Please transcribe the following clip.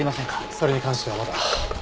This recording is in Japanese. それに関してはまだ。